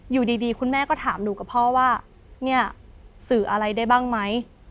อยู่ดีคุณแม่ก็ถามหนูกับพ่อว่าเนี่ยสื่ออะไรได้บ้างไหม